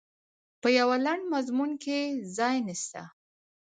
په یوه لنډ مضمون کې ځای نسته.